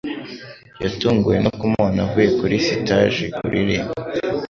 yatunguwe no kumubona avuye kuri sitaji kuririmba